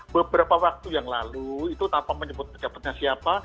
beberapa waktu yang lalu itu tanpa menyebut pejabatnya siapa